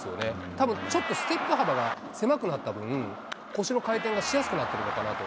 たぶんちょっとステップ幅が狭くなった分、腰の回転がしやすくなってるのかなと。